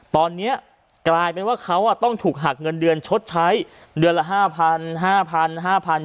ตอนเนี้ยกลายเป็นว่าเขาอ่ะต้องถูกหักเงินเดือนชดใช้เดือนละห้าพันห้าพันห้าพัน